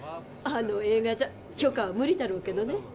あの映画じゃ許可は無理だろうけどね。